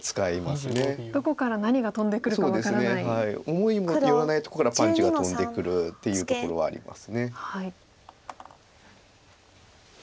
思いもよらないとこからパンチが飛んでくるっていうところはあります。